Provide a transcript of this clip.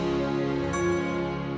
terima kasih panji